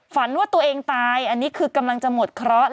ฝันว่าตัวเองตายอันนี้คือกำลังจะหมดเคราะห